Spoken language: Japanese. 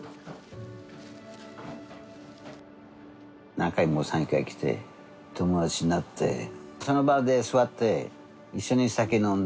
何回も山友会来て友達になってその場で座って一緒に酒飲んだり話ししたり。